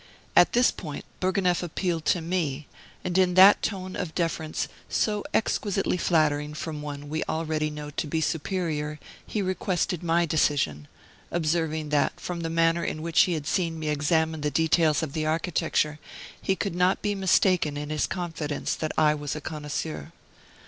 At this point Bourgonef appealed to me, and in that tone of deference so exquisitely flattering from one we already know to be superior he requested my decision; observing that, from the manner in which he had seen me examine the details of the architecture, he could not be mistaken in his confidence that I was a connoisseur.